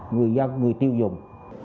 người dân người tiêu dùng